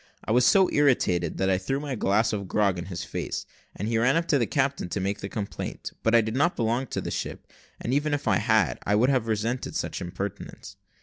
I was so irritated, that I threw my glass of grog in his face, and he ran up to the captain to make the complaint: but I did not belong to the ship, and even if I had, I would have resented such impertinence.